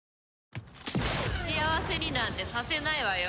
幸せになんてさせないわよ